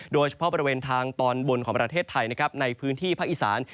โดยเฉพาะบริเวณทางตอนบนของประเทศไทยนะครับในพื้นที่ภาคอีสาน